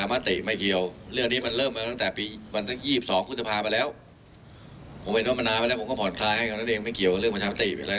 ไม่เกี่ยวกับเรื่องประชาติอะไรอย่างนั้นสินะ